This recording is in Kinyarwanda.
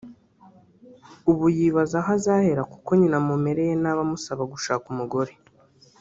ubu yibaza aho azahera kuko nyina amumereye nabi amusaba gushaka umugore